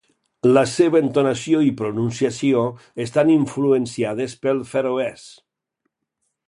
La seva entonació i pronunciació estan influenciades pel feroès.